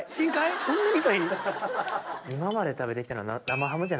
そんなに深いん？